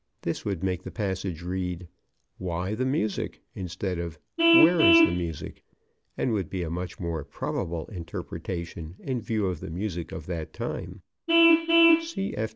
This would make the passage read "Why the music?" instead of "Where is the music?" and would be a much more probable interpretation in view of the music of that time.